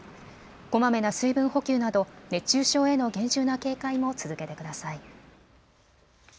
こまめな水分補給など熱中症への厳重な警戒も続けてください。